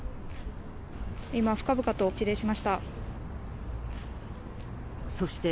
今、深々と一礼しました。